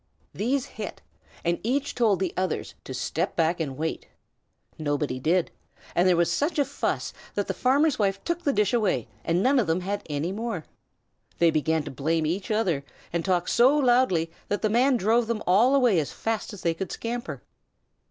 These hit, and each told the others to step back and wait. Nobody did, and there was such a fuss that the farmer's wife took the dish away and none of them had any more. They began to blame each other and talk so loudly that the man drove them all away as fast as they could scamper.